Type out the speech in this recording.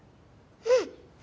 うん！